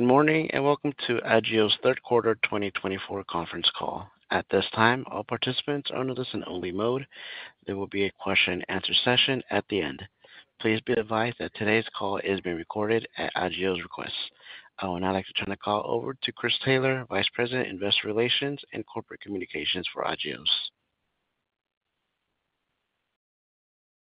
Good morning and welcome to Agios' third quarter 2024 conference call. At this time, all participants are under listen-only mode. There will be a question-and-answer session at the end. Please be advised that today's call is being recorded at Agios' request. I would now like to turn the call over to Chris Taylor, Vice President, Investor Relations and Corporate Communications for Agios.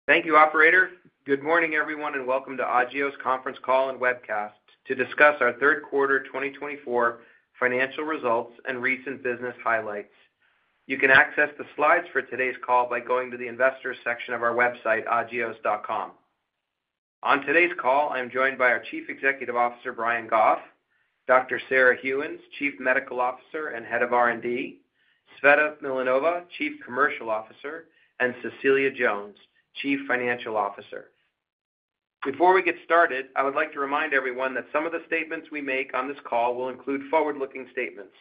Thank you, Operator. Good morning, everyone, and welcome to Agios' conference call and webcast to discuss our third quarter 2024 financial results and recent business highlights. You can access the slides for today's call by going to the investors' section of our website, agios.com. On today's call, I'm joined by our Chief Executive Officer, Brian Goff, Dr. Sarah Gheuens, Chief Medical Officer and Head of R&D, Tsveta Milanova, Chief Commercial Officer, and Cecilia Jones, Chief Financial Officer. Before we get started, I would like to remind everyone that some of the statements we make on this call will include forward-looking statements.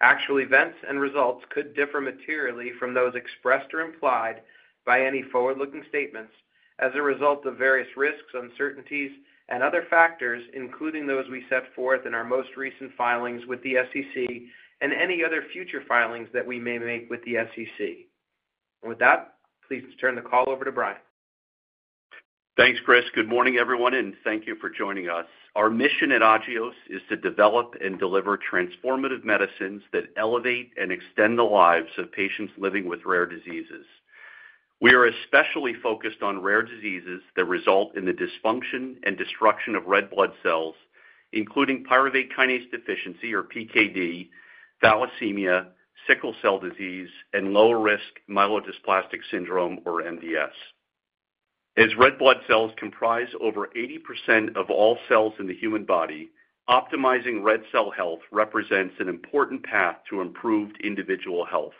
Actual events and results could differ materially from those expressed or implied by any forward-looking statements as a result of various risks, uncertainties, and other factors, including those we set forth in our most recent filings with the SEC and any other future filings that we may make with the SEC. With that, please turn the call over to Brian. Thanks, Chris. Good morning, everyone, and thank you for joining us. Our mission at Agios is to develop and deliver transformative medicines that elevate and extend the lives of patients living with rare diseases. We are especially focused on rare diseases that result in the dysfunction and destruction of red blood cells, including pyruvate kinase deficiency, or PKD, thalassemia, sickle cell disease, and lower-risk myelodysplastic syndrome, or MDS. As red blood cells comprise over 80% of all cells in the human body, optimizing red cell health represents an important path to improved individual health.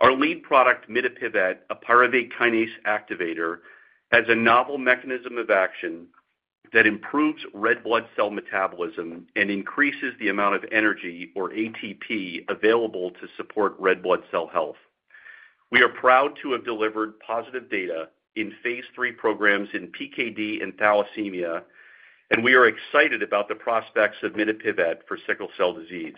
Our lead product, mitapivat, a pyruvate kinase activator, has a novel mechanism of action that improves red blood cell metabolism and increases the amount of energy, or ATP, available to support red blood cell health. We are proud to have delivered positive data in phase 3 programs in PKD and thalassemia, and we are excited about the prospects of mitapivat for sickle cell disease.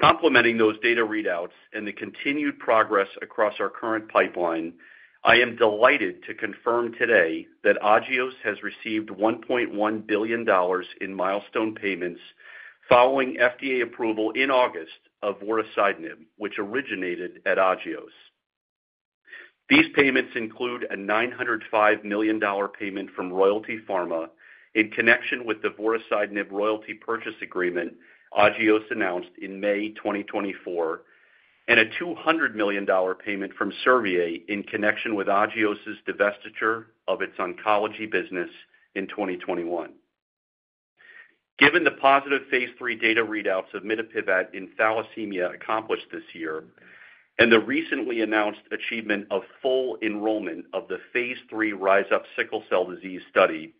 Complementing those data readouts and the continued progress across our current pipeline, I am delighted to confirm today that Agios has received $1.1 billion in milestone payments following FDA approval in August of vorasidenib, which originated at Agios. These payments include a $905 million payment from Royalty Pharma in connection with the vorasidenib royalty purchase agreement Agios announced in May 2024, and a $200 million payment from Servier in connection with Agios' divestiture of its oncology business in 2021. Given the positive phase 3 data readouts of mitapivat in thalassemia accomplished this year and the recently announced achievement of full enrollment of the phase 3 RISE UP sickle cell disease study,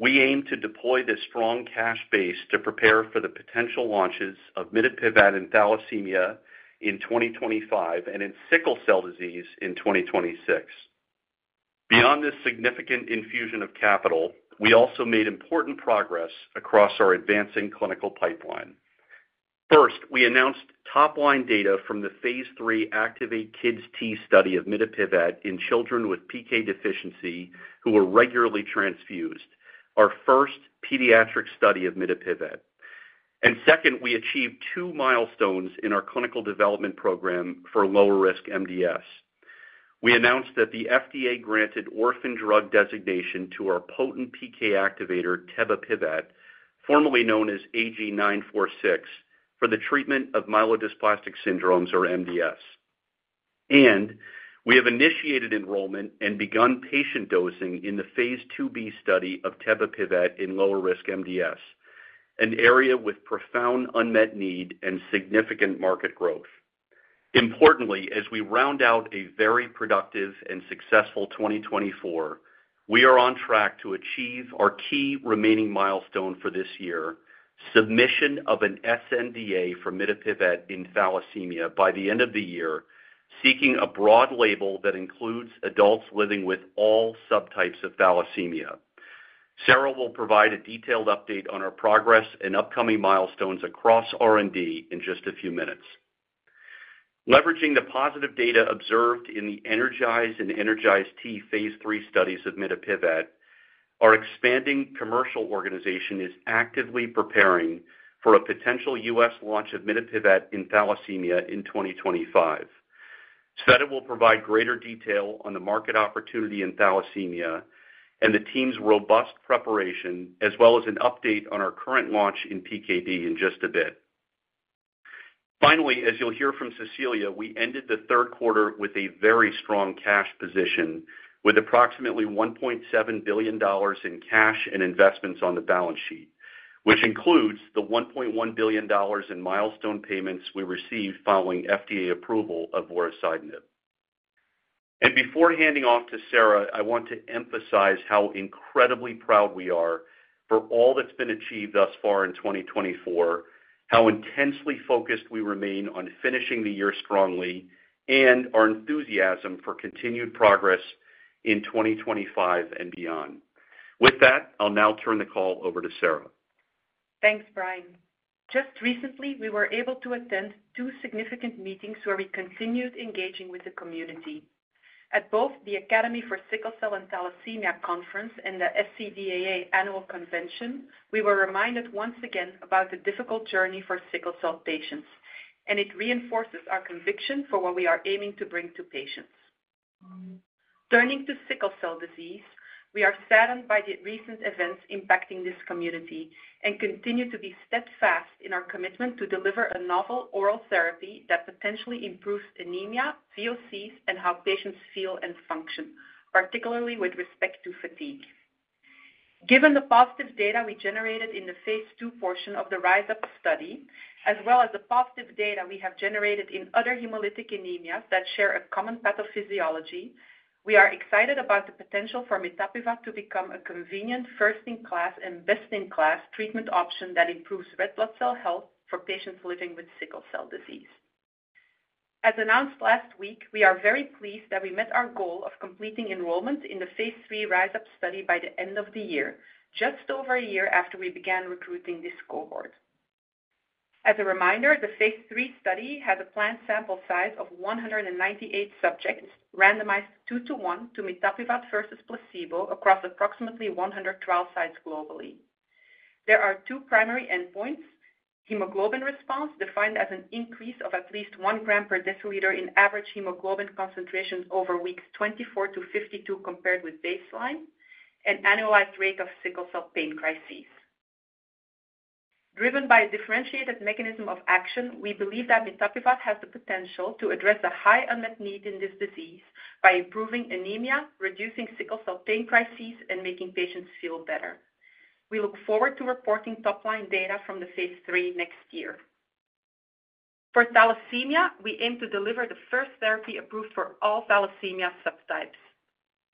we aim to deploy this strong cash base to prepare for the potential launches of mitapivat in thalassemia in 2025 and in sickle cell disease in 2026. Beyond this significant infusion of capital, we also made important progress across our advancing clinical pipeline. First, we announced top-line data from the phase 3 ACTIVATE-KidsT study of mitapivat in children with PK deficiency who were regularly transfused, our first pediatric study of mitapivat. And second, we achieved two milestones in our clinical development program for lower-risk MDS. We announced that the FDA granted orphan drug designation to our potent PK activator, tebapivat, formerly known as AG-946, for the treatment of myelodysplastic syndromes, or MDS. We have initiated enrollment and begun patient dosing in the phase 2b study of tebapivat in lower-risk MDS, an area with profound unmet need and significant market growth. Importantly, as we round out a very productive and successful 2024, we are on track to achieve our key remaining milestone for this year: submission of an sNDA for mitapivat in thalassemia by the end of the year, seeking a broad label that includes adults living with all subtypes of thalassemia. Sarah will provide a detailed update on our progress and upcoming milestones across R&D in just a few minutes. Leveraging the positive data observed in the ENERGIZE and ENERGIZE-T phase 3 studies of mitapivat, our expanding commercial organization is actively preparing for a potential U.S. launch of mitapivat in thalassemia in 2025. Tsveta will provide greater detail on the market opportunity in thalassemia and the team's robust preparation, as well as an update on our current launch in PKD in just a bit. Finally, as you'll hear from Cecilia, we ended the third quarter with a very strong cash position, with approximately $1.7 billion in cash and investments on the balance sheet, which includes the $1.1 billion in milestone payments we received following FDA approval of vorasidenib, and before handing off to Sarah, I want to emphasize how incredibly proud we are for all that's been achieved thus far in 2024, how intensely focused we remain on finishing the year strongly, and our enthusiasm for continued progress in 2025 and beyond. With that, I'll now turn the call over to Sarah. Thanks, Brian. Just recently, we were able to attend two significant meetings where we continued engaging with the community. At both the Academy for Sickle Cell and Thalassemia Conference and the SCDAA Annual Convention, we were reminded once again about the difficult journey for sickle cell patients, and it reinforces our conviction for what we are aiming to bring to patients. Turning to sickle cell disease, we are saddened by the recent events impacting this community and continue to be steadfast in our commitment to deliver a novel oral therapy that potentially improves anemia, VOCs, and how patients feel and function, particularly with respect to fatigue. Given the positive data we generated in the phase 2 portion of the RISE UP study, as well as the positive data we have generated in other hemolytic anemias that share a common pathophysiology, we are excited about the potential for mitapivat to become a convenient first-in-class and best-in-class treatment option that improves red blood cell health for patients living with sickle cell disease. As announced last week, we are very pleased that we met our goal of completing enrollment in the phase 3 RISE UP study by the end of the year, just over a year after we began recruiting this cohort. As a reminder, the phase 3 study had a planned sample size of 198 subjects, randomized two-to-one to mitapivat versus placebo across approximately 100 trial sites globally. There are two primary endpoints: hemoglobin response, defined as an increase of at least one gram per deciliter in average hemoglobin concentration over weeks 24 to 52 compared with baseline, and annualized rate of sickle cell pain crises. Driven by a differentiated mechanism of action, we believe that mitapivat has the potential to address a high unmet need in this disease by improving anemia, reducing sickle cell pain crises, and making patients feel better. We look forward to reporting top-line data from the phase 3 next year. For thalassemia, we aim to deliver the first therapy approved for all thalassemia subtypes.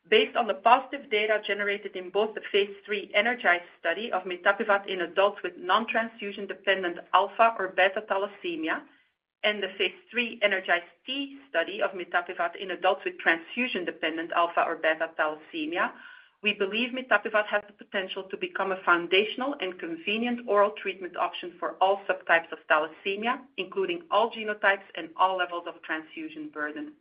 Based on the positive data generated in both the phase 3 ENERGIZE study of mitapivat in adults with non-transfusion-dependent alpha or beta thalassemia and the phase 3 ENERGIZE-T study of mitapivat in adults with transfusion-dependent alpha or beta thalassemia, we believe mitapivat has the potential to become a foundational and convenient oral treatment option for all subtypes of thalassemia, including all genotypes and all levels of transfusion burden.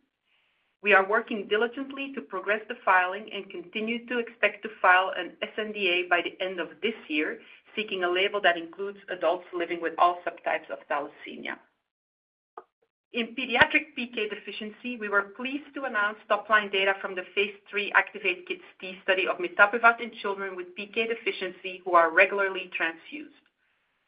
We are working diligently to progress the filing and continue to expect to file an sNDA by the end of this year, seeking a label that includes adults living with all subtypes of thalassemia. In pediatric PK deficiency, we were pleased to announce top-line data from the phase 3 ACTIVATE-KidsT study of mitapivat in children with PK deficiency who are regularly transfused.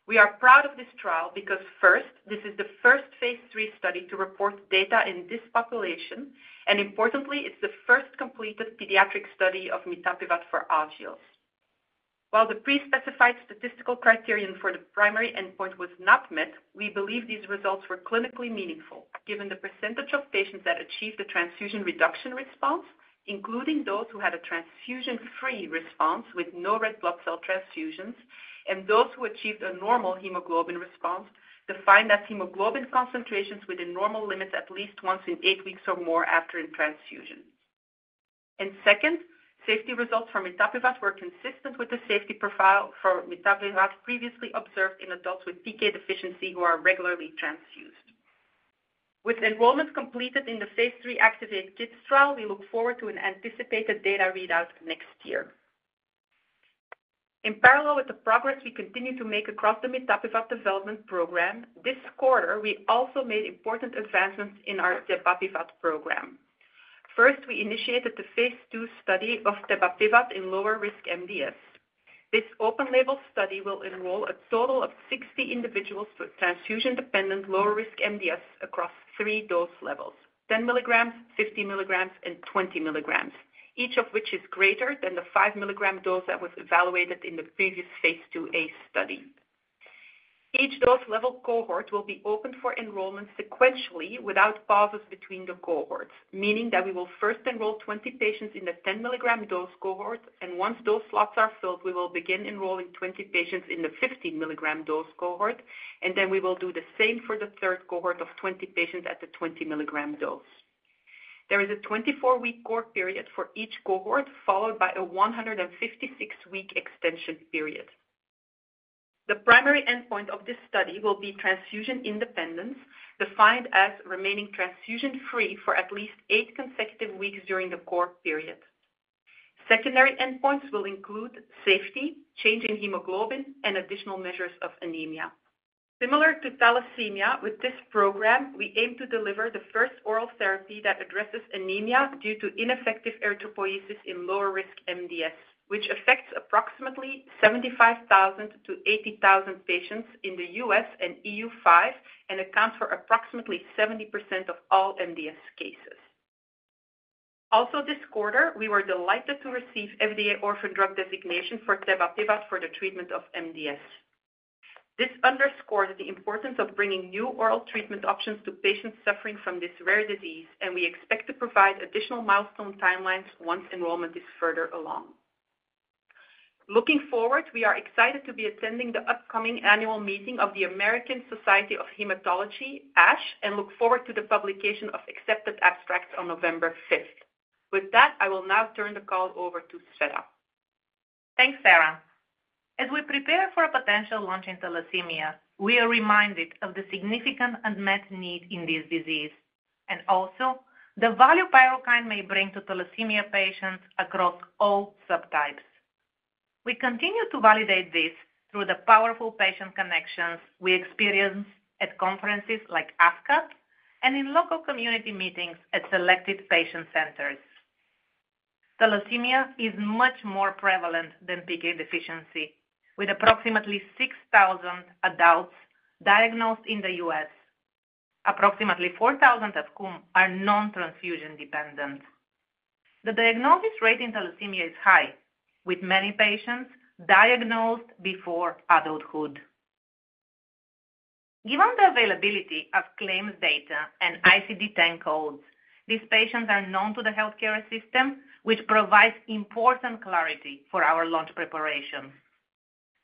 We are proud of this trial because, first, this is the first phase 3 study to report data in this population, and importantly, it's the first completed pediatric study of mitapivat for Agios. While the pre-specified statistical criterion for the primary endpoint was not met, we believe these results were clinically meaningful, given the percentage of patients that achieved a transfusion reduction response, including those who had a transfusion-free response with no red blood cell transfusions, and those who achieved a normal hemoglobin response, defined as hemoglobin concentrations within normal limits at least once in eight weeks or more after a transfusion, and second, safety results from mitapivat were consistent with the safety profile for mitapivat previously observed in adults with PK deficiency who are regularly transfused. With enrollment completed in the phase 3 ACTIVATE-Kids trial, we look forward to an anticipated data readout next year. In parallel with the progress we continue to make across the mitapivat development program, this quarter, we also made important advancements in our tebapivat program. First, we initiated the phase 2 study of tebapivat in lower-risk MDS. This open-label study will enroll a total of 60 individuals with transfusion-dependent lower-risk MDS across three dose levels: 10 milligrams, 50 milligrams, and 20 milligrams, each of which is greater than the 5 milligram dose that was evaluated in the previous phase 2a study. Each dose level cohort will be opened for enrollment sequentially without pauses between the cohorts, meaning that we will first enroll 20 patients in the 10 milligram dose cohort, and once those slots are filled, we will begin enrolling 20 patients in the 50 milligram dose cohort, and then we will do the same for the third cohort of 20 patients at the 20 milligram dose. There is a 24-week cohort period for each cohort, followed by a 156-week extension period. The primary endpoint of this study will be transfusion independence, defined as remaining transfusion-free for at least eight consecutive weeks during the cohort period. Secondary endpoints will include safety, change in hemoglobin, and additional measures of anemia. Similar to thalassemia, with this program, we aim to deliver the first oral therapy that addresses anemia due to ineffective erythropoiesis in lower-risk MDS, which affects approximately 75,000 to 80,000 patients in the U.S. and EU-5 and accounts for approximately 70% of all MDS cases. Also, this quarter, we were delighted to receive FDA orphan drug designation for tebapivat for the treatment of MDS. This underscores the importance of bringing new oral treatment options to patients suffering from this rare disease, and we expect to provide additional milestone timelines once enrollment is further along. Looking forward, we are excited to be attending the upcoming annual meeting of the American Society of Hematology, ASH, and look forward to the publication of accepted abstracts on November 5th. With that, I will now turn the call over to Tsveta. Thanks, Sarah. As we prepare for a potential launch in thalassemia, we are reminded of the significant unmet need in this disease, and also the value Pyrukynd may bring to thalassemia patients across all subtypes. We continue to validate this through the powerful patient connections we experience at conferences like ASCAT and in local community meetings at selected patient centers. Thalassemia is much more prevalent than PK deficiency, with approximately 6,000 adults diagnosed in the U.S., approximately 4,000 of whom are non-transfusion-dependent. The diagnosis rate in thalassemia is high, with many patients diagnosed before adulthood. Given the availability of claims data and ICD-10 codes, these patients are known to the healthcare system, which provides important clarity for our launch preparation.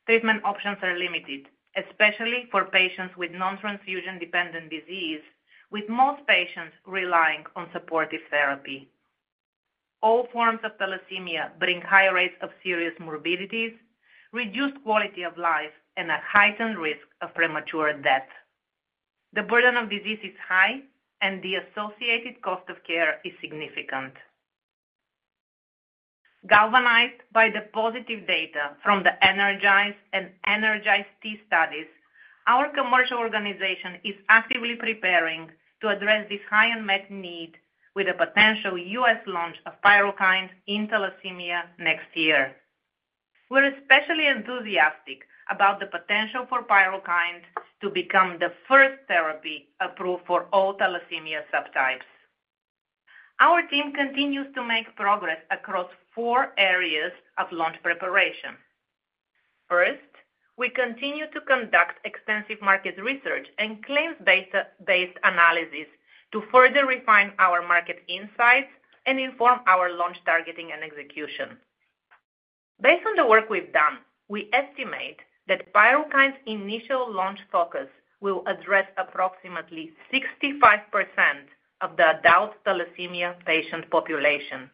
Treatment options are limited, especially for patients with non-transfusion-dependent disease, with most patients relying on supportive therapy. All forms of thalassemia bring higher rates of serious morbidities, reduced quality of life, and a heightened risk of premature death. The burden of disease is high, and the associated cost of care is significant. Galvanized by the positive data from the ENERGIZE and ENERGIZE-T studies, our commercial organization is actively preparing to address this high unmet need with a potential U.S. launch of Pyrukynd in thalassemia next year. We're especially enthusiastic about the potential for Pyrukynd to become the first therapy approved for all thalassemia subtypes. Our team continues to make progress across four areas of launch preparation. First, we continue to conduct extensive market research and claims-based analysis to further refine our market insights and inform our launch targeting and execution. Based on the work we've done, we estimate that Pyrukynd's initial launch focus will address approximately 65% of the adult thalassemia patient population.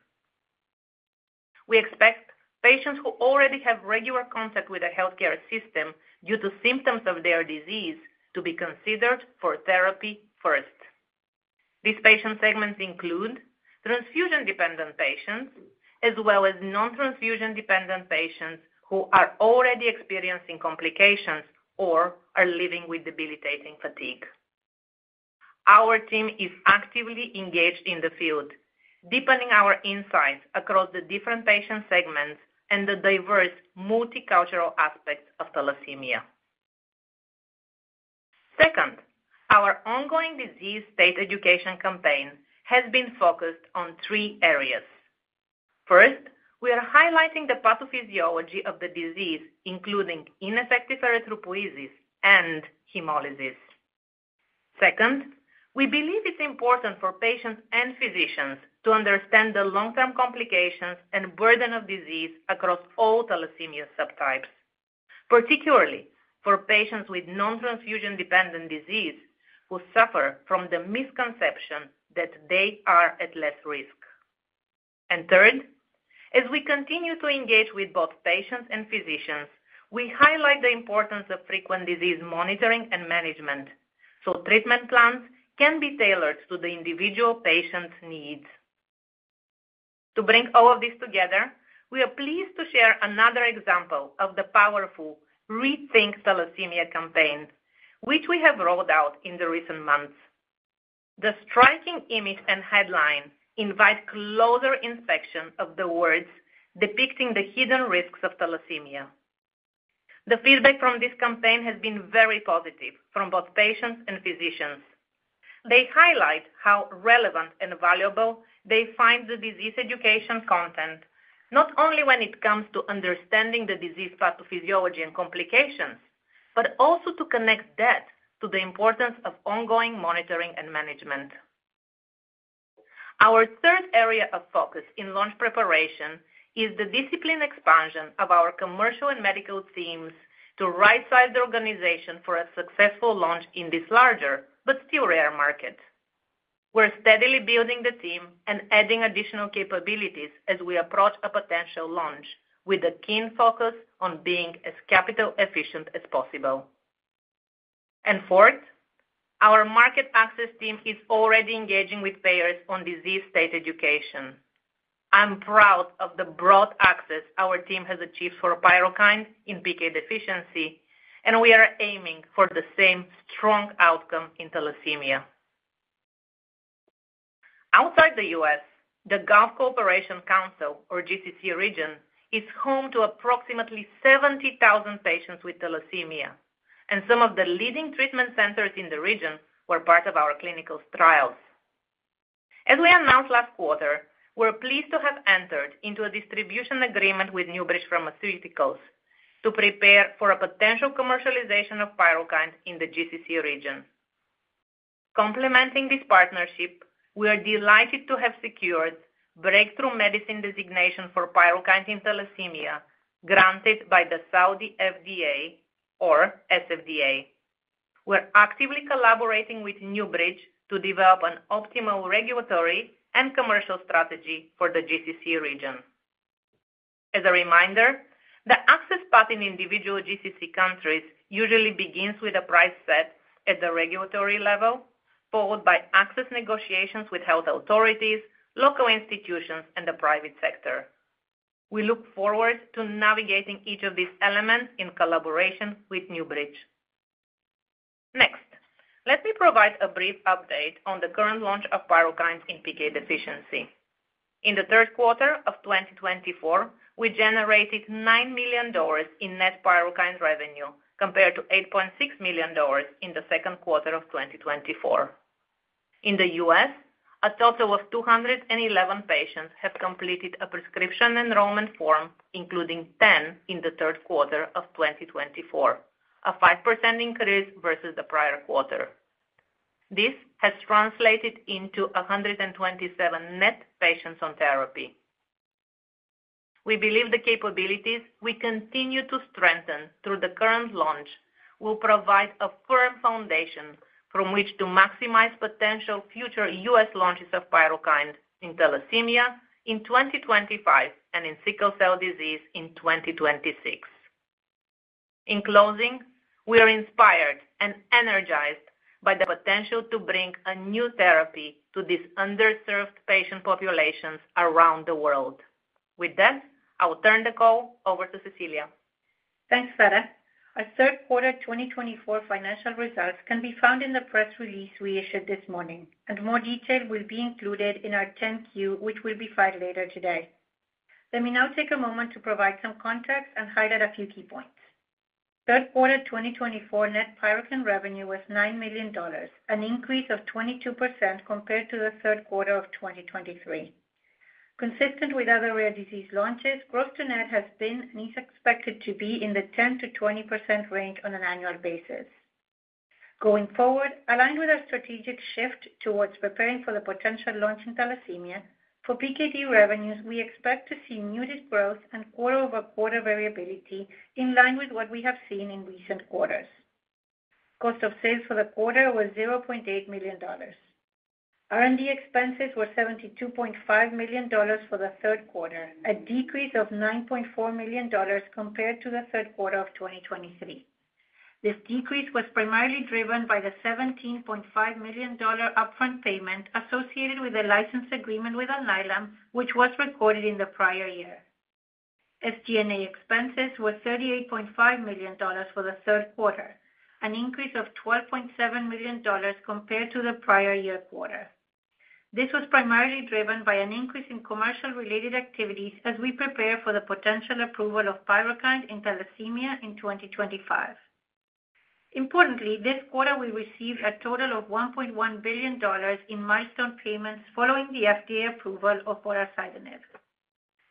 We expect patients who already have regular contact with the healthcare system due to symptoms of their disease to be considered for therapy first. These patient segments include transfusion-dependent patients, as well as non-transfusion-dependent patients who are already experiencing complications or are living with debilitating fatigue. Our team is actively engaged in the field, deepening our insights across the different patient segments and the diverse multicultural aspects of thalassemia. Second, our ongoing disease state education campaign has been focused on three areas. First, we are highlighting the pathophysiology of the disease, including ineffective erythropoiesis and hemolysis. Second, we believe it's important for patients and physicians to understand the long-term complications and burden of disease across all thalassemia subtypes, particularly for patients with non-transfusion-dependent disease who suffer from the misconception that they are at less risk. Third, as we continue to engage with both patients and physicians, we highlight the importance of frequent disease monitoring and management so treatment plans can be tailored to the individual patient's needs. To bring all of this together, we are pleased to share another example of the powerful Rethink Thalassemia campaign, which we have rolled out in the recent months. The striking image and headline invite closer inspection of the words depicting the hidden risks of thalassemia. The feedback from this campaign has been very positive from both patients and physicians. They highlight how relevant and valuable they find the disease education content, not only when it comes to understanding the disease pathophysiology and complications, but also to connect that to the importance of ongoing monitoring and management. Our third area of focus in launch preparation is the discipline expansion of our commercial and medical teams to right-size the organization for a successful launch in this larger, but still rare, market. We're steadily building the team and adding additional capabilities as we approach a potential launch, with a keen focus on being as capital-efficient as possible. And fourth, our market access team is already engaging with payers on disease state education. I'm proud of the broad access our team has achieved for Pyrukynd in PK deficiency, and we are aiming for the same strong outcome in thalassemia. Outside the U.S., the Gulf Cooperation Council, or GCC region, is home to approximately 70,000 patients with thalassemia, and some of the leading treatment centers in the region were part of our clinical trials. As we announced last quarter, we're pleased to have entered into a distribution agreement with NewBridge Pharmaceuticals to prepare for a potential commercialization of Pyrukynd in the GCC region. Complementing this partnership, we are delighted to have secured breakthrough medicine designation for Pyrukynd in thalassemia granted by the Saudi FDA, or SFDA. We're actively collaborating with Newbridge to develop an optimal regulatory and commercial strategy for the GCC region. As a reminder, the access path in individual GCC countries usually begins with a price set at the regulatory level, followed by access negotiations with health authorities, local institutions, and the private sector. We look forward to navigating each of these elements in collaboration with Newbridge. Next, let me provide a brief update on the current launch of Pyrukynd in PK deficiency. In the third quarter of 2024, we generated $9 million in net Pyrukynd revenue, compared to $8.6 million in the second quarter of 2024. In the U.S., a total of 211 patients have completed a prescription enrollment form, including 10 in the third quarter of 2024, a 5% increase versus the prior quarter. This has translated into 127 net patients on therapy. We believe the capabilities we continue to strengthen through the current launch will provide a firm foundation from which to maximize potential future U.S. launches of Pyrukynd in thalassemia in 2025 and in sickle cell disease in 2026. In closing, we are inspired and energized by the potential to bring a new therapy to these underserved patient populations around the world. With that, I'll turn the call over to Cecilia. Thanks, Sarah. Our third quarter 2024 financial results can be found in the press release we issued this morning, and more detail will be included in our 10-Q, which will be filed later today. Let me now take a moment to provide some context and highlight a few key points. Third quarter 2024 net Pyrukynd revenue was $9 million, an increase of 22% compared to the third quarter of 2023. Consistent with other rare disease launches, gross to net has been and is expected to be in the 10%-20% range on an annual basis. Going forward, aligned with our strategic shift towards preparing for the potential launch in thalassemia, for PKD revenues, we expect to see muted growth and quarter-over-quarter variability in line with what we have seen in recent quarters. Cost of sales for the quarter was $0.8 million. R&D expenses were $72.5 million for the third quarter, a decrease of $9.4 million compared to the third quarter of 2023. This decrease was primarily driven by the $17.5 million upfront payment associated with a license agreement with Alnylam, which was recorded in the prior year. SG&A expenses were $38.5 million for the third quarter, an increase of $12.7 million compared to the prior year quarter. This was primarily driven by an increase in commercial-related activities as we prepare for the potential approval of Pyrukynd in thalassemia in 2025. Importantly, this quarter we received a total of $1.1 billion in milestone payments following the FDA approval of vorasidenib.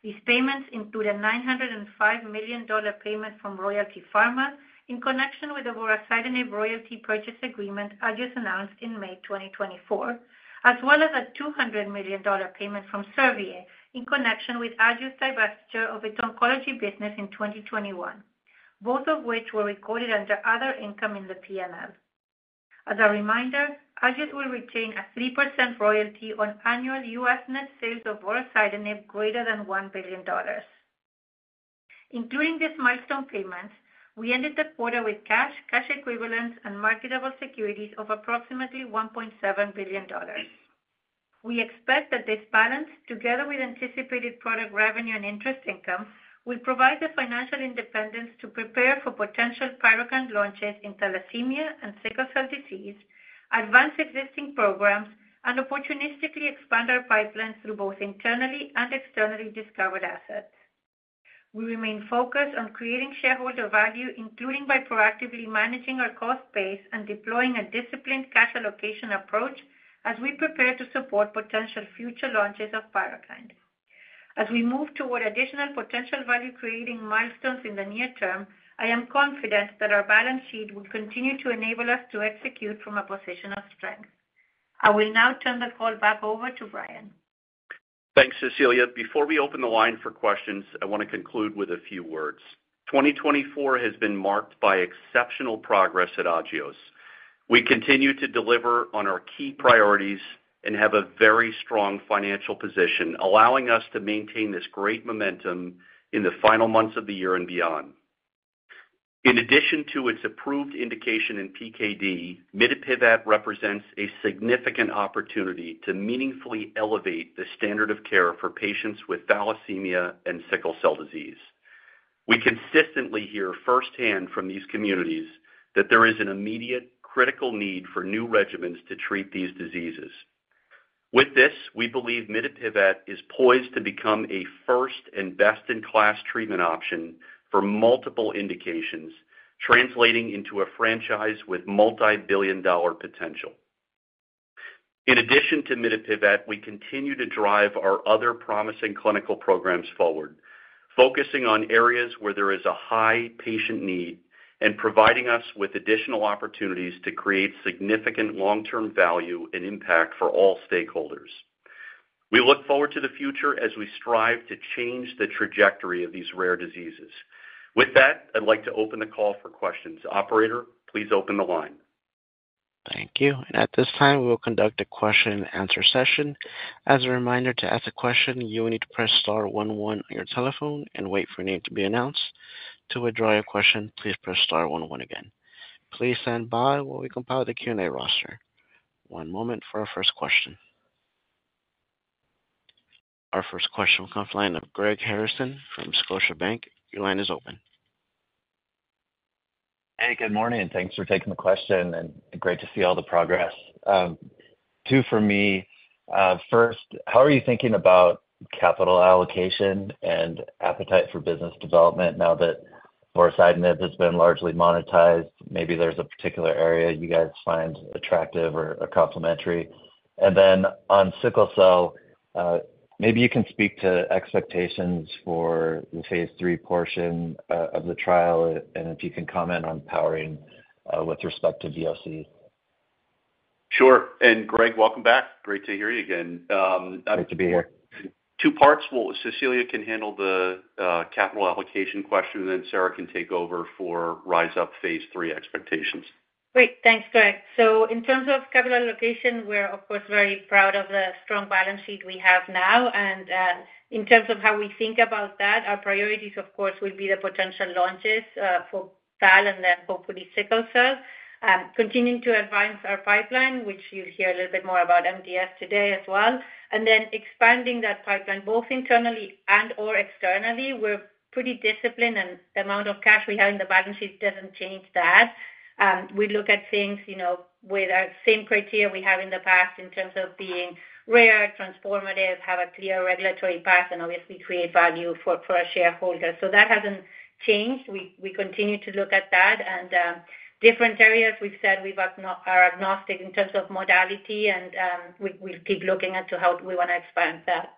These payments include a $905 million payment from Royalty Pharma in connection with the vorasidenib royalty purchase agreement Agios announced in May 2024, as well as a $200 million payment from Servier in connection with Agios' divestiture of its oncology business in 2021, both of which were recorded under other income in the P&L. As a reminder, Agios will retain a 3% royalty on annual U.S. net sales of vorasidenib greater than $1 billion. Including these milestone payments, we ended the quarter with cash, cash equivalents, and marketable securities of approximately $1.7 billion. We expect that this balance, together with anticipated product revenue and interest income, will provide the financial independence to prepare for potential Pyrukynd launches in thalassemia and sickle cell disease, advance existing programs, and opportunistically expand our pipeline through both internally and externally discovered assets. We remain focused on creating shareholder value, including by proactively managing our cost base and deploying a disciplined cash allocation approach as we prepare to support potential future launches of Pyrukynd. As we move toward additional potential value-creating milestones in the near term, I am confident that our balance sheet will continue to enable us to execute from a position of strength. I will now turn the call back over to Brian. Thanks, Cecilia. Before we open the line for questions, I want to conclude with a few words. 2024 has been marked by exceptional progress at Agios. We continue to deliver on our key priorities and have a very strong financial position, allowing us to maintain this great momentum in the final months of the year and beyond. In addition to its approved indication in PKD, mitapivat represents a significant opportunity to meaningfully elevate the standard of care for patients with thalassemia and sickle cell disease. We consistently hear firsthand from these communities that there is an immediate, critical need for new regimens to treat these diseases. With this, we believe mitapivat is poised to become a first and best-in-class treatment option for multiple indications, translating into a franchise with multi-billion dollar potential. In addition to mitapivat, we continue to drive our other promising clinical programs forward, focusing on areas where there is a high patient need and providing us with additional opportunities to create significant long-term value and impact for all stakeholders. We look forward to the future as we strive to change the trajectory of these rare diseases. With that, I'd like to open the call for questions. Operator, please open the line. Thank you. And at this time, we will conduct a question-and-answer session. As a reminder, to ask a question, you will need to press star 11 on your telephone and wait for your name to be announced. To withdraw your question, please press star 11 again. Please stand by while we compile the Q&A roster. One moment for our first question. Our first question will come from the line of Greg Harrison from Scotiabank. Your line is open. Hey, good morning. Thanks for taking the question, and great to see all the progress. Two, for me, first, how are you thinking about capital allocation and appetite for business development now that vorasidenib has been largely monetized? Maybe there's a particular area you guys find attractive or complementary. And then on sickle cell, maybe you can speak to expectations for the phase 3 portion of the trial, and if you can comment on powering with respect to VOC. Sure. And Greg, welcome back. Great to hear you again. Great to be here. Two parts. Cecilia can handle the capital allocation question, and then Sarah can take over for RISE UP phase 3 expectations. Great. Thanks, Greg. So in terms of capital allocation, we're, of course, very proud of the strong balance sheet we have now. And in terms of how we think about that, our priorities, of course, will be the potential launches for thalassemia and then hopefully sickle cell, continuing to advance our pipeline, which you'll hear a little bit more about MDS today as well, and then expanding that pipeline both internally and/or externally. We're pretty disciplined, and the amount of cash we have in the balance sheet doesn't change that. We look at things with the same criteria we have in the past in terms of being rare, transformative, have a clear regulatory path, and obviously create value for our shareholders. So that hasn't changed. We continue to look at that. And different areas, we've said, we are agnostic in terms of modality, and we'll keep looking at how we want to expand that.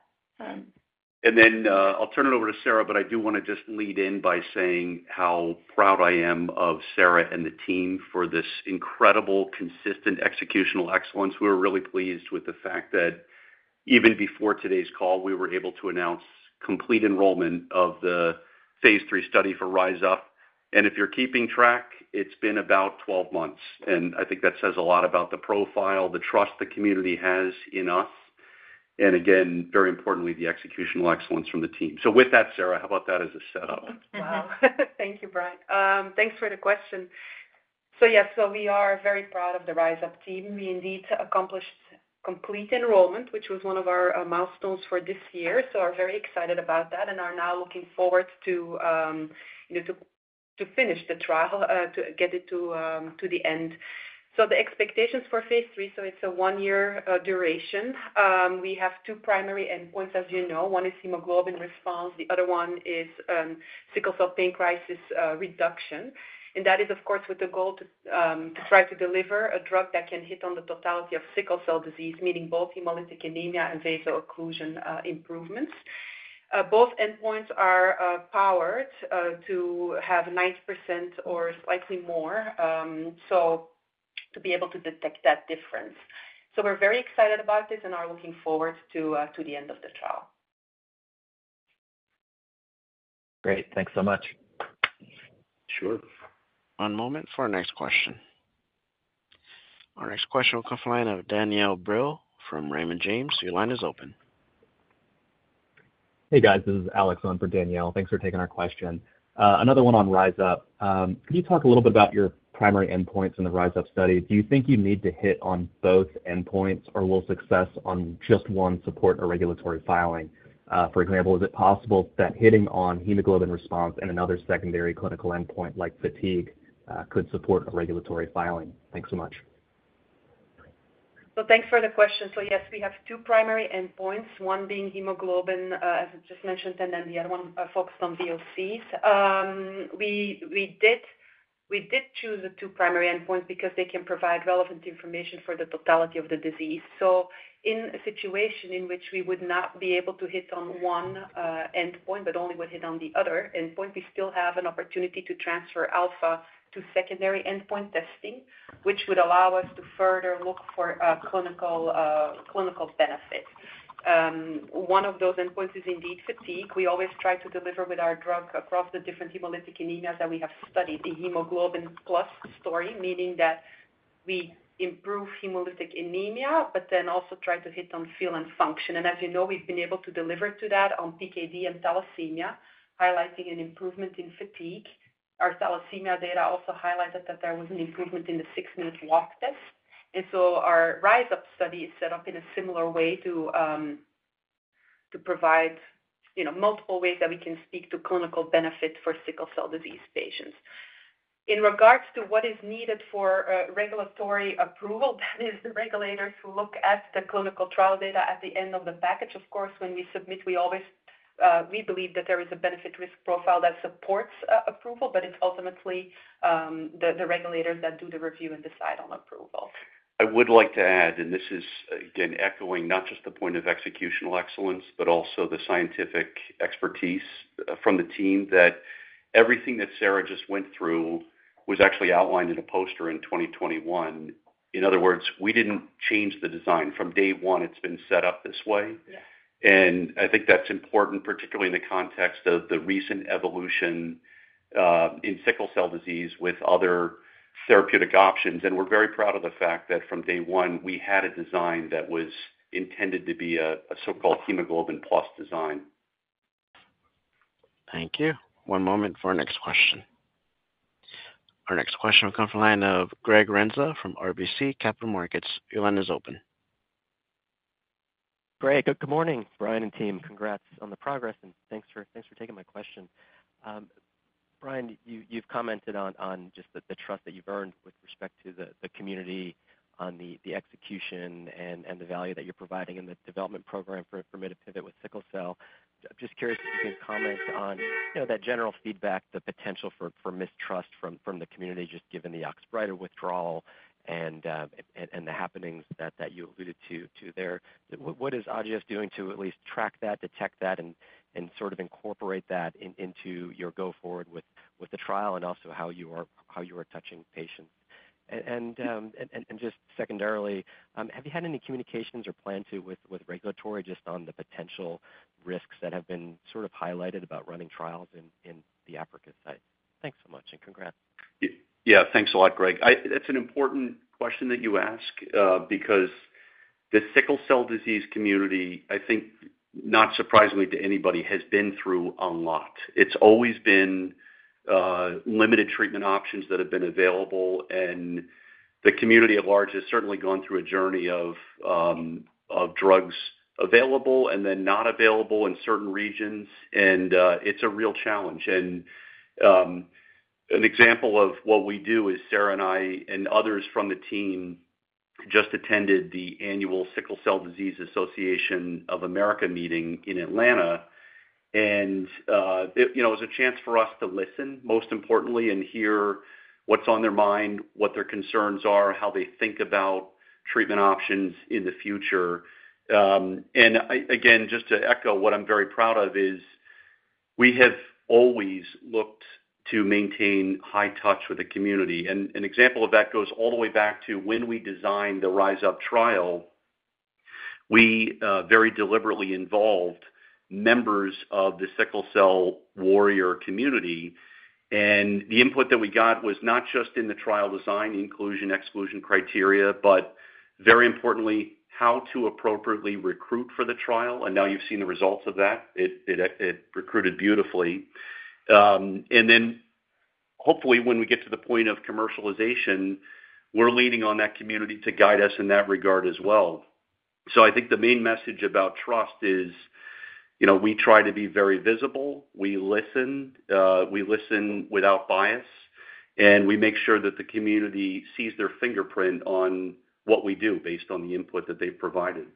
And then I'll turn it over to Sarah, but I do want to just lead in by saying how proud I am of Sarah and the team for this incredible consistent executional excellence. We're really pleased with the fact that even before today's call, we were able to announce complete enrollment of the phase 3 study for RISE UP. And if you're keeping track, it's been about 12 months. And I think that says a lot about the profile, the trust the community has in us, and again, very importantly, the executional excellence from the team. So with that, Sarah, how about that as a setup? Wow. Thank you, Brian. Thanks for the question. So yes, we are very proud of the RISE UP team. We indeed accomplished complete enrollment, which was one of our milestones for this year. So we're very excited about that and are now looking forward to finish the trial, to get it to the end. So the expectations for phase 3, so it's a one-year duration. We have two primary endpoints, as you know. One is hemoglobin response. The other one is sickle cell VOC reduction. And that is, of course, with the goal to try to deliver a drug that can hit on the totality of sickle cell disease, meaning both hemolytic anemia and vaso-occlusion improvements. Both endpoints are powered to have 90% or slightly more, so to be able to detect that difference. So we're very excited about this and are looking forward to the end of the trial. Great. Thanks so much. Sure. One moment for our next question. Our next question will come from the line of Danielle Brill from Raymond James. Your line is open. Hey, guys. This is Alex on for Danielle. Thanks for taking our question. Another one on RISE UP. Can you talk a little bit about your primary endpoints in the RISE UP study? Do you think you need to hit on both endpoints, or will success on just one support a regulatory filing? For example, is it possible that hitting on hemoglobin response and another secondary clinical endpoint like fatigue could support a regulatory filing? Thanks so much. So thanks for the question. So yes, we have two primary endpoints, one being hemoglobin, as I just mentioned, and then the other one focused on VOCs. We did choose the two primary endpoints because they can provide relevant information for the totality of the disease. So in a situation in which we would not be able to hit on one endpoint, but only would hit on the other endpoint, we still have an opportunity to transfer alpha to secondary endpoint testing, which would allow us to further look for clinical benefits. One of those endpoints is indeed fatigue. We always try to deliver with our drug across the different hemolytic anemias that we have studied, the hemoglobin plus story, meaning that we improve hemolytic anemia, but then also try to hit on feel and function. As you know, we've been able to deliver to that on PKD and thalassemia, highlighting an improvement in fatigue. Our thalassemia data also highlighted that there was an improvement in the six-minute walk test. Our RISE UP study is set up in a similar way to provide multiple ways that we can speak to clinical benefit for sickle cell disease patients. In regards to what is needed for regulatory approval, that is the regulators who look at the clinical trial data at the end of the package. Of course, when we submit, we believe that there is a benefit-risk profile that supports approval, but it's ultimately the regulators that do the review and decide on approval. I would like to add, and this is, again, echoing not just the point of executional excellence, but also the scientific expertise from the team, that everything that Sarah just went through was actually outlined in a poster in 2021. In other words, we didn't change the design. From day one, it's been set up this way, and I think that's important, particularly in the context of the recent evolution in sickle cell disease with other therapeutic options, and we're very proud of the fact that from day one, we had a design that was intended to be a so-called hemoglobin plus design. Thank you. One moment for our next question. Our next question will come from the line of Greg Renza from RBC Capital Markets. Your line is open. Greg, good morning. Brian and team, congrats on the progress, and thanks for taking my question. Brian, you've commented on just the trust that you've earned with respect to the community on the execution and the value that you're providing in the development program for mitapivat with sickle cell. I'm just curious if you can comment on that general feedback, the potential for mistrust from the community, just given the Oxbryta withdrawal and the happenings that you alluded to there. What is Agios doing to at least track that, detect that, and sort of incorporate that into your go-forward with the trial and also how you are touching patients? And just secondarily, have you had any communications or plan to with regulatory just on the potential risks that have been sort of highlighted about running trials in the Africa site? Thanks so much, and congrats. Yeah, thanks a lot, Greg. It's an important question that you ask because the sickle cell disease community, I think, not surprisingly to anybody, has been through a lot. It's always been limited treatment options that have been available, and the community at large has certainly gone through a journey of drugs available and then not available in certain regions, and it's a real challenge, and an example of what we do is Sarah and I and others from the team just attended the annual Sickle Cell Disease Association of America meeting in Atlanta, and it was a chance for us to listen, most importantly, and hear what's on their mind, what their concerns are, how they think about treatment options in the future, and again, just to echo what I'm very proud of is we have always looked to maintain high touch with the community. An example of that goes all the way back to when we designed the RISE UP trial. We very deliberately involved members of the sickle cell warrior community. And the input that we got was not just in the trial design, inclusion, exclusion criteria, but very importantly, how to appropriately recruit for the trial. And now you've seen the results of that. It recruited beautifully. And then hopefully, when we get to the point of commercialization, we're leaning on that community to guide us in that regard as well. So I think the main message about trust is we try to be very visible. We listen. We listen without bias. And we make sure that the community sees their fingerprint on what we do based on the input that they've provided.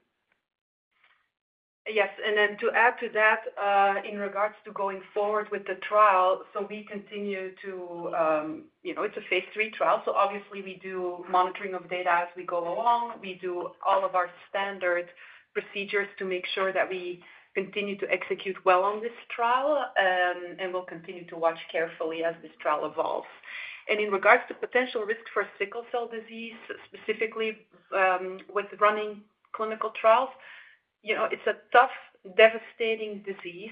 Yes. And then to add to that, in regards to going forward with the trial, so we continue. It's a phase 3 trial. So obviously, we do monitoring of data as we go along. We do all of our standard procedures to make sure that we continue to execute well on this trial. And we'll continue to watch carefully as this trial evolves. And in regards to potential risk for sickle cell disease, specifically with running clinical trials, it's a tough, devastating disease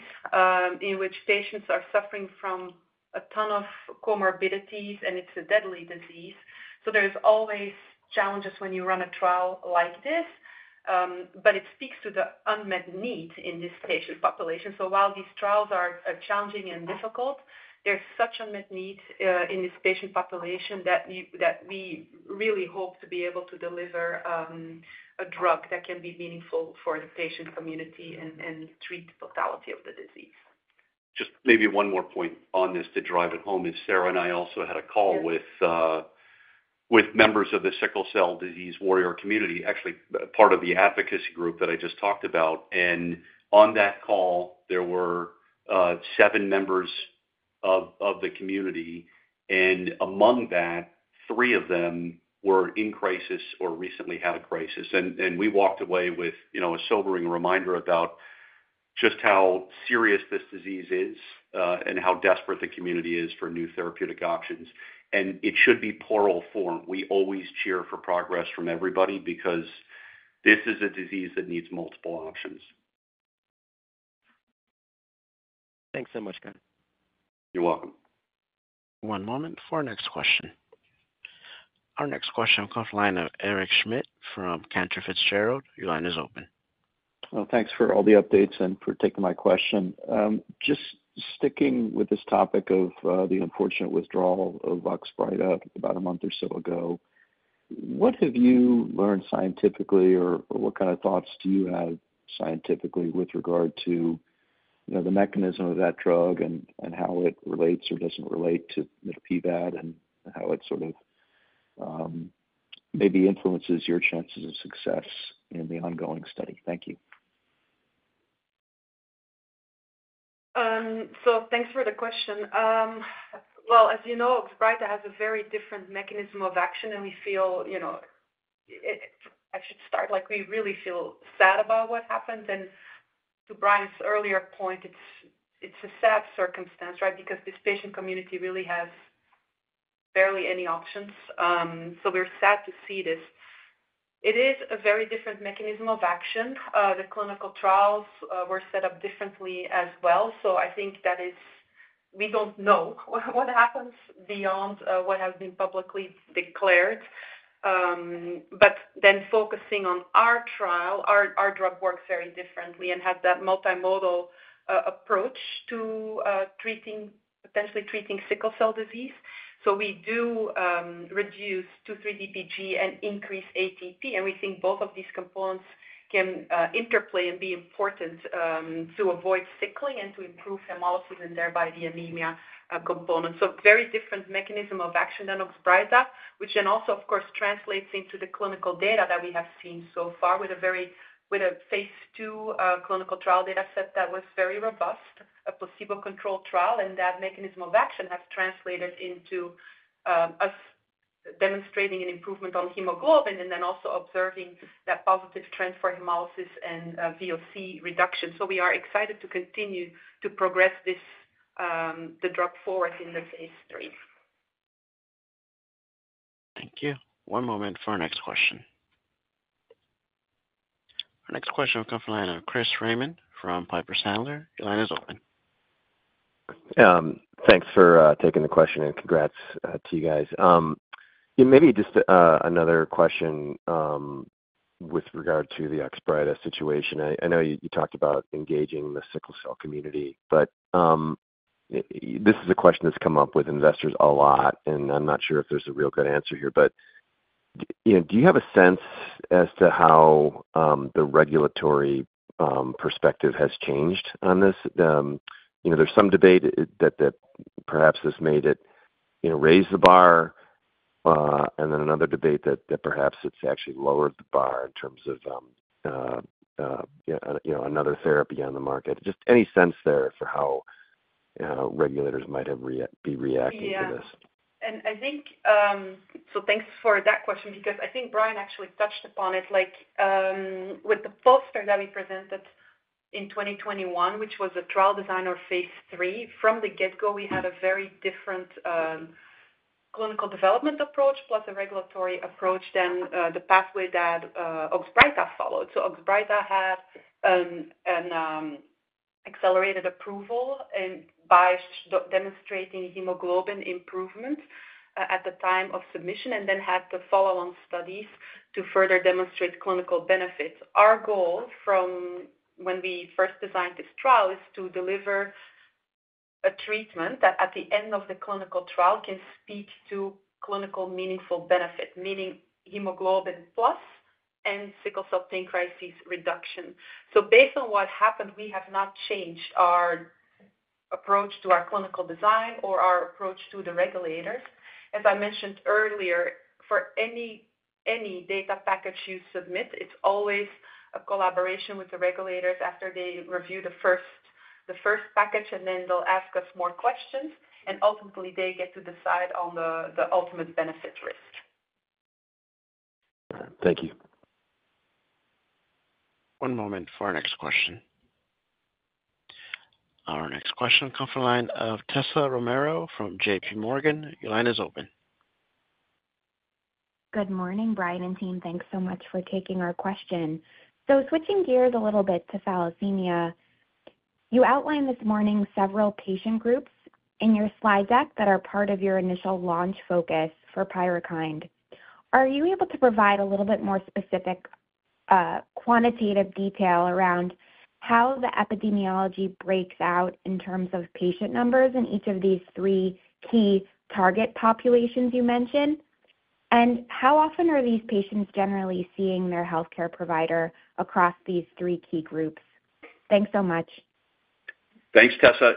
in which patients are suffering from a ton of comorbidities, and it's a deadly disease. So there's always challenges when you run a trial like this, but it speaks to the unmet need in this patient population. So while these trials are challenging and difficult, there's such unmet need in this patient population that we really hope to be able to deliver a drug that can be meaningful for the patient community and treat the totality of the disease. Just maybe one more point on this to drive it home is Sarah and I also had a call with members of the sickle cell disease warrior community, actually part of the advocacy group that I just talked about. And on that call, there were seven members of the community. And among that, three of them were in crisis or recently had a crisis. And we walked away with a sobering reminder about just how serious this disease is and how desperate the community is for new therapeutic options. And it should be plural form. We always cheer for progress from everybody because this is a disease that needs multiple options. Thanks so much, guys. You're welcome. One moment for our next question. Our next question will come from the line of Eric Schmidt from Cantor Fitzgerald. Your line is open. Thanks for all the updates and for taking my question. Just sticking with this topic of the unfortunate withdrawal of Oxbryta about a month or so ago, what have you learned scientifically, or what kind of thoughts do you have scientifically with regard to the mechanism of that drug and how it relates or doesn't relate to mitapivat and how it sort of maybe influences your chances of success in the ongoing study? Thank you. So thanks for the question. Well, as you know, Oxbryta has a very different mechanism of action, and we feel I should start, we really feel sad about what happened, and to Brian's earlier point, it's a sad circumstance, right, because this patient community really has barely any options, so we're sad to see this, it is a very different mechanism of action, the clinical trials were set up differently as well, so I think that we don't know what happens beyond what has been publicly declared, but then focusing on our trial, our drug works very differently and has that multimodal approach to potentially treating sickle cell disease, so we do reduce 2,3-DPG and increase ATP, and we think both of these components can interplay and be important to avoid sickling and to improve hemolysis and thereby the anemia component. So very different mechanism of action than Oxbryta, which then also, of course, translates into the clinical data that we have seen so far with a phase two clinical trial data set that was very robust, a placebo-controlled trial. And that mechanism of action has translated into us demonstrating an improvement on hemoglobin and then also observing that positive trend for hemolysis and VOC reduction. So we are excited to continue to progress the drug forward in the phase three. Thank you. One moment for our next question. Our next question will come from the line of Chris Raymond from Piper Sandler. Your line is open. Thanks for taking the question, and congrats to you guys. Maybe just another question with regard to the Oxbryta situation. I know you talked about engaging the sickle cell community, but this is a question that's come up with investors a lot. And I'm not sure if there's a real good answer here, but do you have a sense as to how the regulatory perspective has changed on this? There's some debate that perhaps this made it raise the bar, and then another debate that perhaps it's actually lowered the bar in terms of another therapy on the market. Just any sense there for how regulators might be reacting to this? Yeah. And I think so, thanks for that question because I think Brian actually touched upon it. With the poster that we presented in 2021, which was a trial design for phase 3, from the get-go, we had a very different clinical development approach plus a regulatory approach than the pathway that Oxbryta followed. So Oxbryta had an accelerated approval by demonstrating hemoglobin improvement at the time of submission and then had to follow-on studies to further demonstrate clinical benefits. Our goal from when we first designed this trial is to deliver a treatment that at the end of the clinical trial can speak to clinically meaningful benefit, meaning hemoglobin, plus, and sickle cell pain crisis reduction. So based on what happened, we have not changed our approach to our clinical design or our approach to the regulators. As I mentioned earlier, for any data package you submit, it's always a collaboration with the regulators after they review the first package, and then they'll ask us more questions, and ultimately, they get to decide on the ultimate benefit-risk. Thank you. One moment for our next question. Our next question will come from the line of Tessa Romero from J.P. Morgan. Your line is open. Good morning, Brian and team. Thanks so much for taking our question. So switching gears a little bit to thalassemia, you outlined this morning several patient groups in your slide deck that are part of your initial launch focus for Pyrukynd. Are you able to provide a little bit more specific quantitative detail around how the epidemiology breaks out in terms of patient numbers in each of these three key target populations you mentioned? And how often are these patients generally seeing their healthcare provider across these three key groups? Thanks so much. Thanks, Tessa.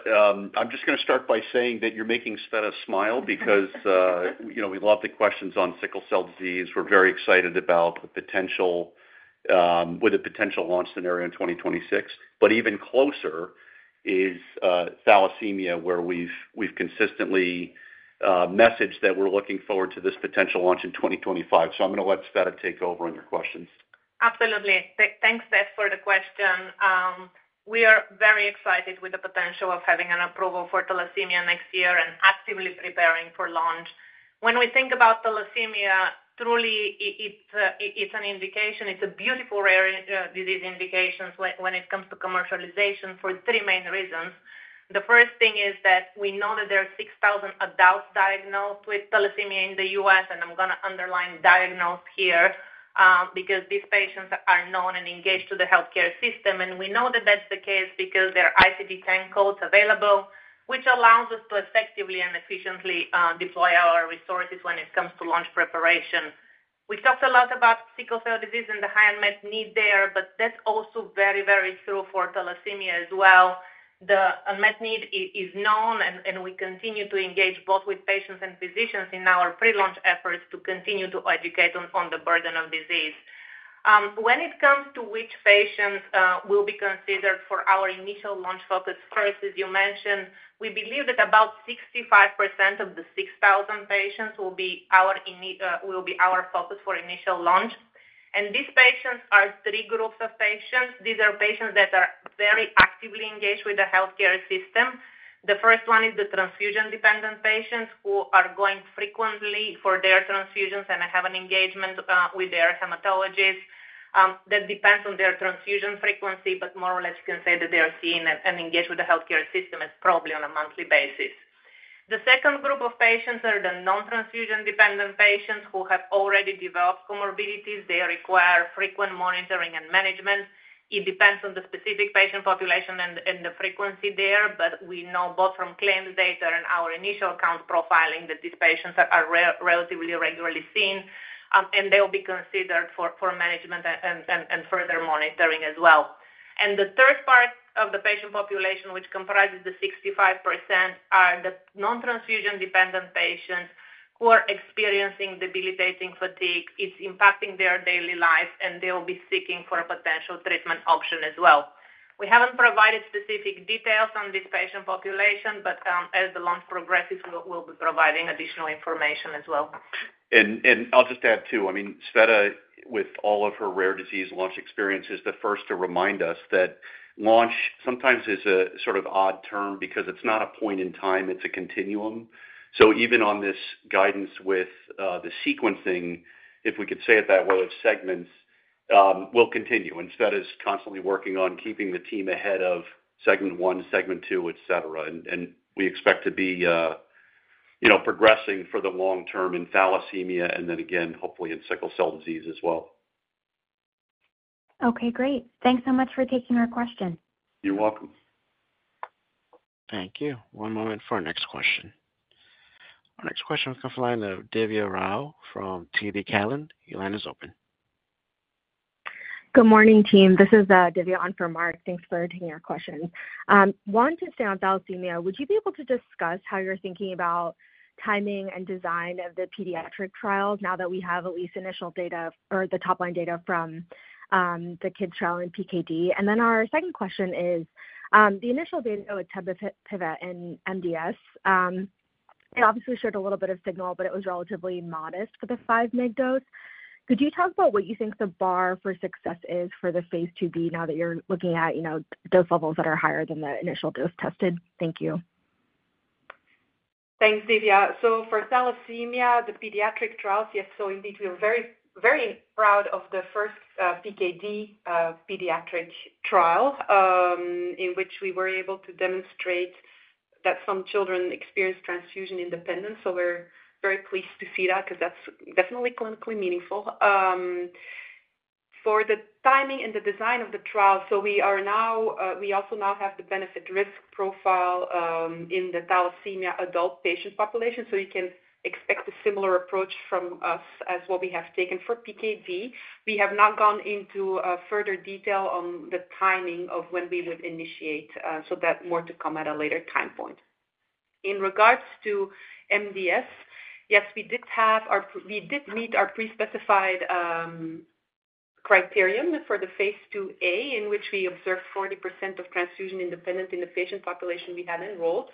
I'm just going to start by saying that you're making Tsveta smile because we love the questions on sickle cell disease. We're very excited about the potential launch scenario in 2026. But even closer is thalassemia, where we've consistently messaged that we're looking forward to this potential launch in 2025. So I'm going to let Tsveta take over on your questions. Absolutely. Thanks, Tessa, for the question. We are very excited with the potential of having an approval for thalassemia next year and actively preparing for launch. When we think about thalassemia, truly, it's an indication. It's a beautiful disease indication when it comes to commercialization for three main reasons. The first thing is that we know that there are 6,000 adults diagnosed with thalassemia in the U.S., and I'm going to underline diagnosed here because these patients are known and engaged to the healthcare system. And we know that that's the case because there are ICD-10 codes available, which allows us to effectively and efficiently deploy our resources when it comes to launch preparation. We talked a lot about sickle cell disease and the high unmet need there, but that's also very, very true for thalassemia as well. The unmet need is known, and we continue to engage both with patients and physicians in our pre-launch efforts to continue to educate on the burden of disease. When it comes to which patients will be considered for our initial launch focus, first, as you mentioned, we believe that about 65% of the 6,000 patients will be our focus for initial launch, and these patients are three groups of patients. These are patients that are very actively engaged with the healthcare system. The first one is the transfusion-dependent patients who are going frequently for their transfusions and have an engagement with their hematologist. That depends on their transfusion frequency, but more or less, you can say that they are seeing and engaged with the healthcare system probably on a monthly basis. The second group of patients are the non-transfusion-dependent patients who have already developed comorbidities. They require frequent monitoring and management. It depends on the specific patient population and the frequency there, but we know both from claims data and our initial account profiling that these patients are relatively regularly seen, and they will be considered for management and further monitoring as well, and the third part of the patient population, which comprises the 65%, are the non-transfusion-dependent patients who are experiencing debilitating fatigue. It's impacting their daily life, and they will be seeking for a potential treatment option as well. We haven't provided specific details on this patient population, but as the launch progresses, we'll be providing additional information as well. And I'll just add too. I mean, Sveta, with all of her rare disease launch experiences, the first to remind us that launch sometimes is a sort of odd term because it's not a point in time. It's a continuum. So even on this guidance with the sequencing, if we could say it that way, of segments, we'll continue. And Sveta is constantly working on keeping the team ahead of segment one, segment two, etc. And we expect to be progressing for the long term in thalassemia and then, again, hopefully in sickle cell disease as well. Okay, great. Thanks so much for taking our question. You're welcome. Thank you. One moment for our next question. Our next question will come from the line of Divya Rao from TD Cowen. Your line is open. Good morning, team. This is Divya on for Marc. Thanks for taking our questions. Want to stay on thalassemia. Would you be able to discuss how you're thinking about timing and design of the pediatric trials now that we have at least initial data or the top-line data from the kids trial in PKD? And then our second question is the initial data with tebapivat and MDS. It obviously showed a little bit of signal, but it was relatively modest for the 5-mg dose. Could you talk about what you think the bar for success is for the phase 2b now that you're looking at dose levels that are higher than the initial dose tested? Thank you. Thanks, Divya. So for thalassemia, the pediatric trials, yes. So indeed, we were very proud of the first PKD pediatric trial in which we were able to demonstrate that some children experience transfusion independence. So we're very pleased to see that because that's definitely clinically meaningful. For the timing and the design of the trial, so we also now have the benefit-risk profile in the thalassemia adult patient population. So you can expect a similar approach from us as what we have taken for PKD. We have not gone into further detail on the timing of when we would initiate so that more to come at a later time point. In regards to MDS, yes, we did meet our pre-specified criterion for the phase 2a, in which we observed 40% of transfusion independence in the patient population we had enrolled.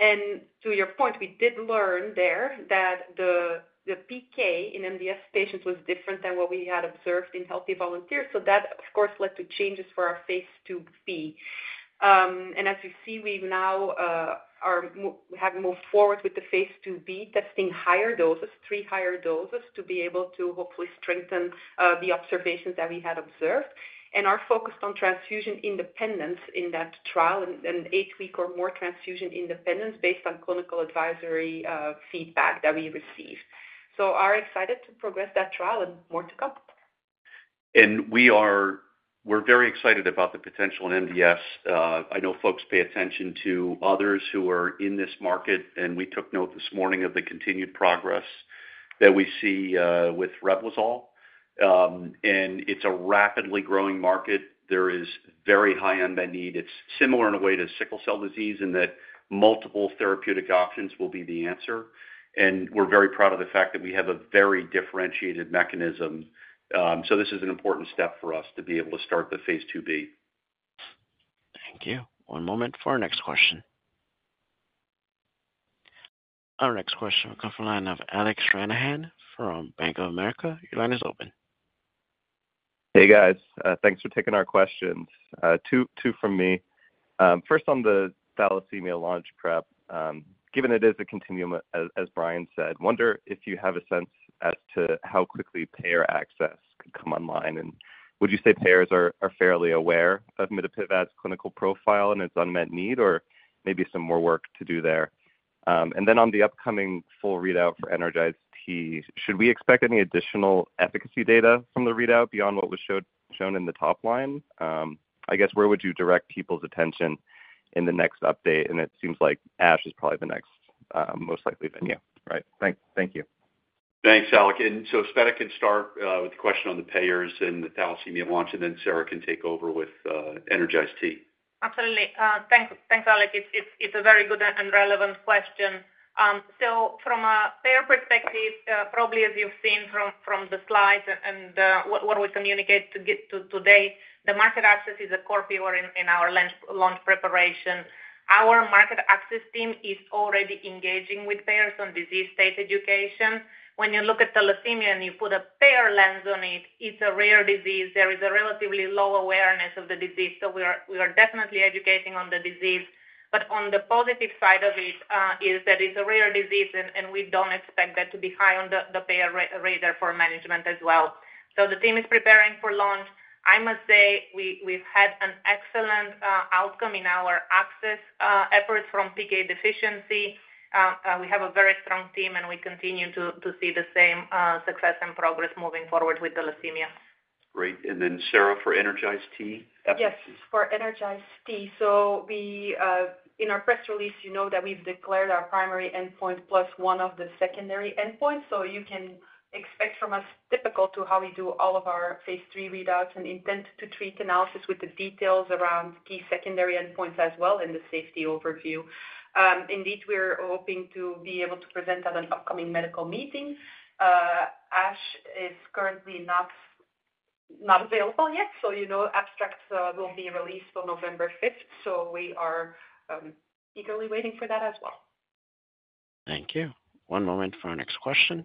And to your point, we did learn there that the PK in MDS patients was different than what we had observed in healthy volunteers. So that, of course, led to changes for our phase 2b. And as you see, we now have moved forward with the phase 2b testing higher doses, three higher doses, to be able to hopefully strengthen the observations that we had observed. And our focus on transfusion independence in that trial, and eight-week or more transfusion independence, based on clinical advisory feedback that we received. So we are excited to progress that trial and more to come. We're very excited about the potential in MDS. I know folks pay attention to others who are in this market, and we took note this morning of the continued progress that we see with Reblozyl. It's a rapidly growing market. There is very high unmet need. It's similar in a way to sickle cell disease in that multiple therapeutic options will be the answer. We're very proud of the fact that we have a very differentiated mechanism. This is an important step for us to be able to start the phase 2b. Thank you. One moment for our next question. Our next question will come from the line of Alec Stranahan from Bank of America. Your line is open. Hey, guys. Thanks for taking our questions. Two from me. First, on the thalassemia launch prep, given it is a continuum, as Brian said, wonder if you have a sense as to how quickly payer access could come online. And would you say payers are fairly aware of mitapivat's clinical profile and its unmet need, or maybe some more work to do there? And then on the upcoming full readout for ENERGIZE-T, should we expect any additional efficacy data from the readout beyond what was shown in the top line? I guess, where would you direct people's attention in the next update? And it seems like ASH is probably the next most likely venue, right? Thank you. Thanks, Alex. And so Tsveta can start with the question on the payers and the thalassemia launch, and then Sarah can take over with ENERGIZE-T. Absolutely. Thanks, Alex. It's a very good and relevant question. So from a payer perspective, probably as you've seen from the slides and what we communicate today, the market access is a core pillar in our launch preparation. Our market access team is already engaging with payers on disease state education. When you look at thalassemia and you put a payer lens on it, it's a rare disease. There is a relatively low awareness of the disease. So we are definitely educating on the disease. But on the positive side of it is that it's a rare disease, and we don't expect that to be high on the payer radar for management as well. So the team is preparing for launch. I must say we've had an excellent outcome in our access efforts from PK deficiency. We have a very strong team, and we continue to see the same success and progress moving forward with thalassemia. Great. And then Sarah for ENERGIZE-T efforts. Yes, for ENERGIZE-T. In our press release, you know that we've declared our primary endpoint plus one of the secondary endpoints. You can expect from us typical to how we do all of our phase three readouts and intent-to-treat analysis with the details around key secondary endpoints as well and the safety overview. Indeed, we're hoping to be able to present at an upcoming medical meeting. ASH is currently not available yet. Abstracts will be released on November 5th. We are eagerly waiting for that as well. Thank you. One moment for our next question.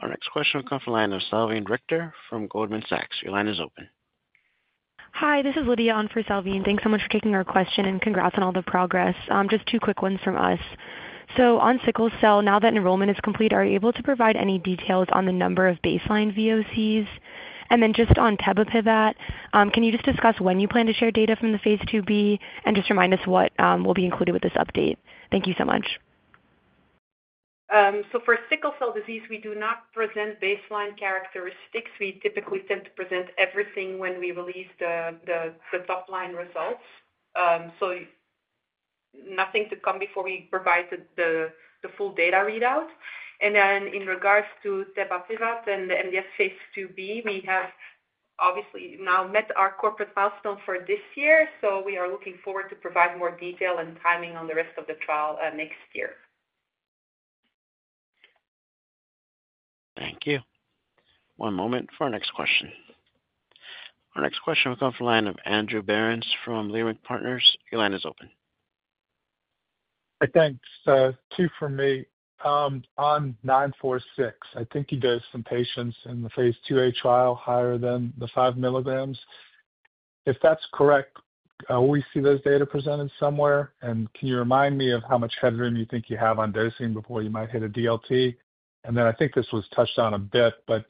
Our next question will come from the line of Salveen Richter from Goldman Sachs. Your line is open. Hi, this is Lydia Anderson on for Salveen Richter. Thanks so much for taking our question and congrats on all the progress. Just two quick ones from us. So on sickle cell, now that enrollment is complete, are you able to provide any details on the number of baseline VOCs? And then just on tebapivat, can you just discuss when you plan to share data from the phase 2b and just remind us what will be included with this update? Thank you so much. So for sickle cell disease, we do not present baseline characteristics. We typically tend to present everything when we release the top-line results. So nothing to come before we provide the full data readout. And then in regards to tebapivat and the MDS phase 2b, we have obviously now met our corporate milestone for this year. So we are looking forward to provide more detail and timing on the rest of the trial next year. Thank you. One moment for our next question. Our next question will come from the line of Andrew Berens from Leerink Partners. Your line is open. Thanks. Two from me. On 946, I think you gave some patients in the phase 2a trial higher than the five milligrams. If that's correct, we see those data presented somewhere. And can you remind me of how much headroom you think you have on dosing before you might hit a DLT? And then I think this was touched on a bit, but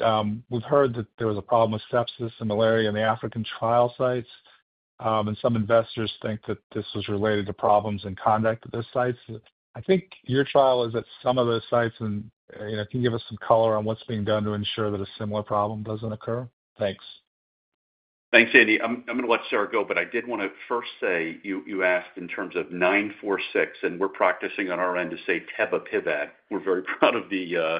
we've heard that there was a problem with sepsis and malaria in the African trial sites. And some investors think that this was related to problems in conduct at those sites. I think your trial is at some of those sites, and can you give us some color on what's being done to ensure that a similar problem doesn't occur? Thanks. Thanks, Andy. I'm going to let Sarah go, but I did want to first say you asked in terms of 946, and we're practicing on our end to say tebapivat. We're very proud of the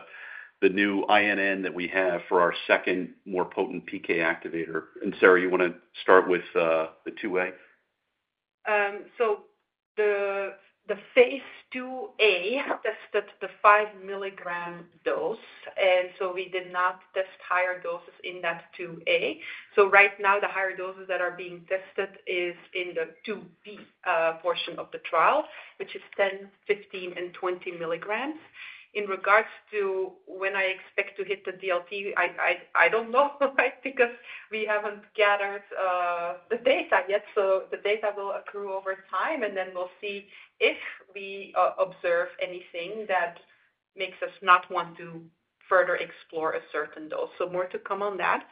new INN that we have for our second more potent PK activator. And Sarah, you want to start with the 2a? The phase 2a tested the five-milligram dose. We did not test higher doses in that 2a. Right now, the higher doses that are being tested are in the 2b portion of the trial, which is 10, 15, and 20 milligrams. In regards to when I expect to hit the DLT, I don't know because we haven't gathered the data yet. The data will accrue over time, and then we'll see if we observe anything that makes us not want to further explore a certain dose. More to come on that.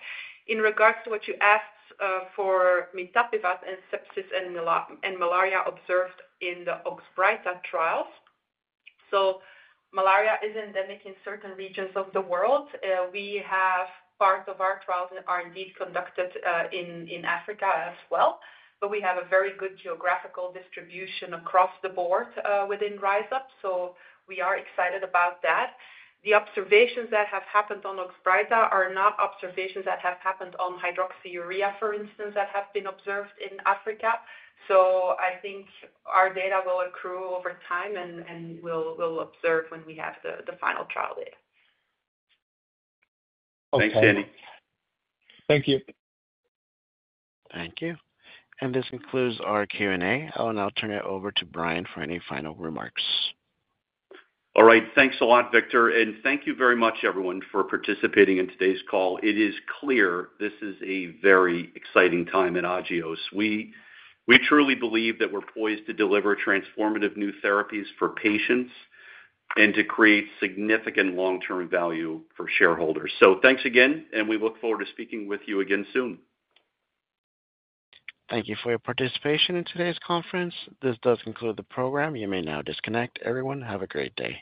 In regards to what you asked for, mitapivat and sepsis and malaria observed in the Oxbryta trials. Malaria is endemic in certain regions of the world. We have part of our trials that are indeed conducted in Africa as well. But we have a very good geographical distribution across the board within RISE UP. So we are excited about that. The observations that have happened on Oxbryta are not observations that have happened on hydroxyurea, for instance, that have been observed in Africa. So I think our data will accrue over time, and we'll observe when we have the final trial data. Thanks, Andy. Thank you. Thank you. And this concludes our Q&A. I'll now turn it over to Brian for any final remarks. All right. Thanks a lot, Victor. And thank you very much, everyone, for participating in today's call. It is clear this is a very exciting time in Agios. We truly believe that we're poised to deliver transformative new therapies for patients and to create significant long-term value for shareholders. So thanks again, and we look forward to speaking with you again soon. Thank you for your participation in today's conference. This does conclude the program. You may now disconnect. Everyone, have a great day.